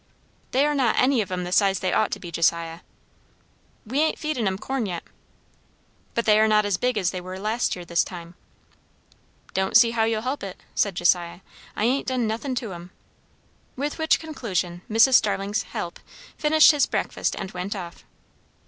"They are not any of 'em the size they ought to be, Josiah." "We ain't feedin' 'em corn yet." "But they are not as big as they were last year this time." "Don't see how you'll help it," said Josiah. "I ain't done nothin' to 'em." With which conclusion Mrs. Starling's 'help' finished his breakfast and went off.